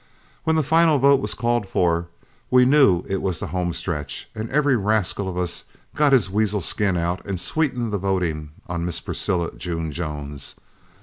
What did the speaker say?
"When the final vote was called for, we knew it was the home stretch, and every rascal of us got his weasel skin out and sweetened the voting on Miss Precilla June Jones.